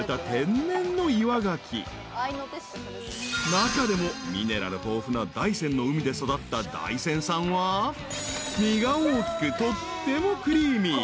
［中でもミネラル豊富な大山の海で育った大山産は身が大きくとってもクリーミー］